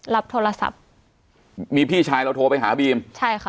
รับโทรศัพท์มีพี่ชายเราโทรไปหาบีมใช่ค่ะ